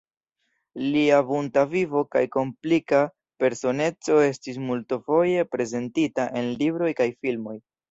Lia bunta vivo kaj komplika personeco estis multfoje prezentita en libroj kaj filmoj.